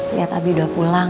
lihat abi udah pulang